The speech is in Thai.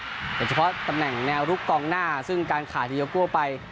สำหรัตย์แต่เฉพาะตำแหน่งแนวลุกกองหน้าซึ่งการขาดเดียวกันไป